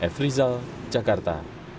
f rizal jakarta